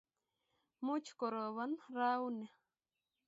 much korobon rauni